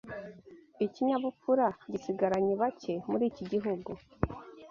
ikinyabupfura gisigaranye bake muri iki gihugu